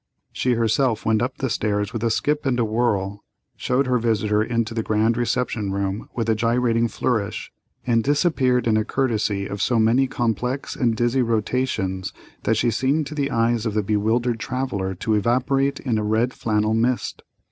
She herself went up stairs with a skip and a whirl, showed her visitor into the grand reception room with a gyrating flourish, and disappeared in a "courtesy" of so many complex and dizzy rotations that she seemed to the eyes of the bewildered traveller to evaporate in a red flannel mist.